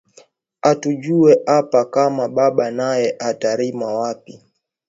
Atujue apa kama baba naye ata rima wapi